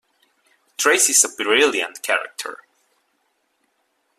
Tracy's a brilliant character.